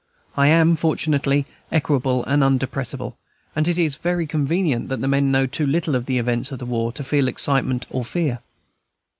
I am fortunately equable and undepressible; and it is very convenient that the men know too little of the events of the war to feel excitement or fear.